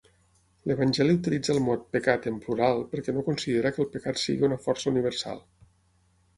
L'evangeli utilitza el mot "pecat" en plural perquè no considera que el pecat sigui una força universal.